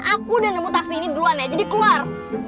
aku udah nemu taksi ini duluan ya jadi keluar